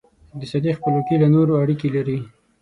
اقتصادي خپلواکي له نورو اړیکې لري.